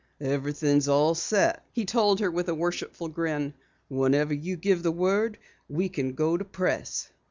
"Everything's all set," he told her with a worshipful grin. "Whenever you give the word, we can go to press."